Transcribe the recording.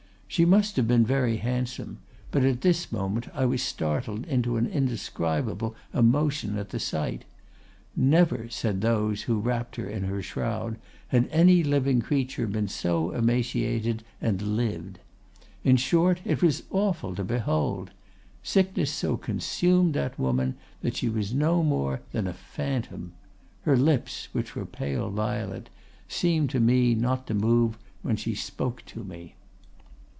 She must have been very handsome; but at this moment I was startled into an indescribable emotion at the sight. Never, said those who wrapped her in her shroud, had any living creature been so emaciated and lived. In short, it was awful to behold! Sickness so consumed that woman, that she was no more than a phantom. Her lips, which were pale violet, seemed to me not to move when she spoke to me.